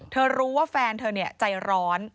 เธอรู้ว่าแฟนเธอเนี่ยใจร้อน